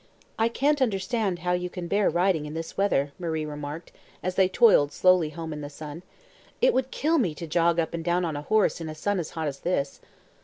"I can't understand how you can bear riding in this weather," Marie remarked, as they toiled slowly home in the sun. "It would kill me to jog up and down on a horse in a sun as hot as this."